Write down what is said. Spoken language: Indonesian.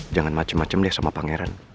jangan macem macem deh sama pangeran